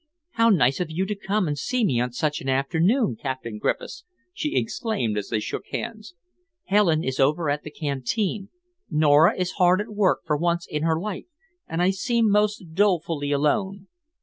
"How nice of you to come and see me on such an afternoon, Captain Griffiths," she exclaimed, as they shook hands. "Helen is over at the Canteen, Nora is hard at work for once in her life, and I seem most dolefully alone."